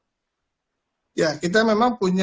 setelah kalau misalnya masih harus stretch lagi ya